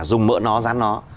dùng mỡ nó rán nó